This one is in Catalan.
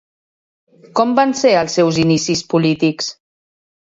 Com van ser els seus inicis polítics?